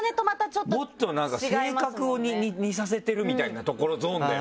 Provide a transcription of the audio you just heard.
もっとなんか性格を似させてるみたいなところゾーンだよね。